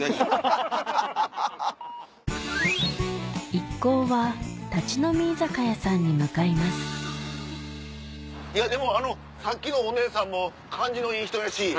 一行は立ち飲み居酒屋さんに向かいますでもあのさっきのお姉さんも感じのいい人やし。